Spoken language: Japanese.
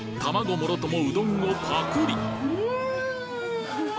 もろともうどんをパクリ！